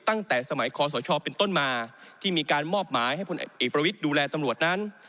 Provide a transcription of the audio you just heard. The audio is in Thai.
ตั้งแต่สมัยคอสชเป็นต้นมาที่มีการมอบหมายให้พลเอกประวิทย์ดูแลตำรวจนั้น